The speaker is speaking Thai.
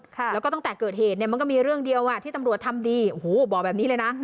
แล้วก็ตั้งแต่เกิดเหตุมันก็มีเรื่องเดียวที่ตำรวจทำดีบอกแบบนี้เลยนะ